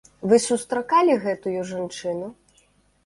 Вы сустракалі гэтую жанчыну?